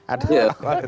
ada ada yani